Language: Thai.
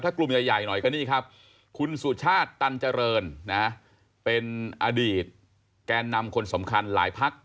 กลุ่มใหญ่หน่อยก็นี่ครับคุณสุชาติตันเจริญนะเป็นอดีตแกนนำคนสำคัญหลายพัก